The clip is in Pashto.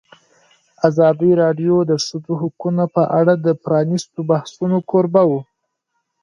ازادي راډیو د د ښځو حقونه په اړه د پرانیستو بحثونو کوربه وه.